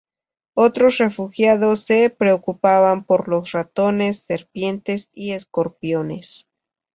Otros refugiados se preocupaban por los ratones, serpientes y escorpiones.